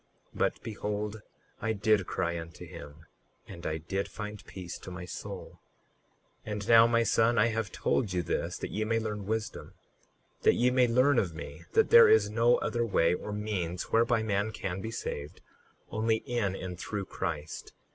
But behold, I did cry unto him and I did find peace to my soul. 38:9 And now, my son, I have told you this that ye may learn wisdom, that ye may learn of me that there is no other way or means whereby man can be saved, only in and through Christ.